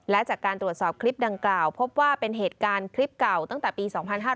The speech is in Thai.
และจากการตรวจสอบคลิปดังกล่าวพบว่าเป็นเหตุการณ์คลิปเก่าตั้งแต่ปี๒๕๕๙